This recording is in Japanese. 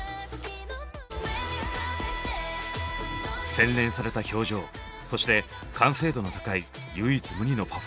洗練された表情そして完成度の高い唯一無二のパフォーマンス。